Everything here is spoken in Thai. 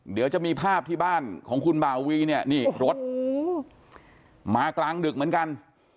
เดี๋ยวจะมีภาพที่บ้านของคุณบ่าวีเนี่ยนี่รถมากลางดึกเหมือนกัน